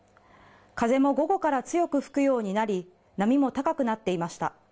風も午後から強く吹くようになり波も高くなっていました。